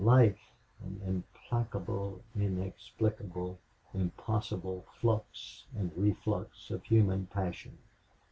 Life, an implacable, inexplicable, impossible flux and reflux of human passion!